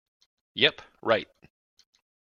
Yep, right!